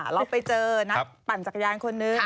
เราไปเจอนักปั่นจักรยานคนนึง